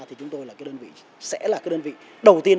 thì chúng tôi là cái đơn vị sẽ là cái đơn vị đầu tiên